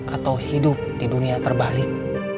atau hidup di dunia terbalik